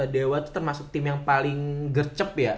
dewa itu termasuk tim yang paling gercep ya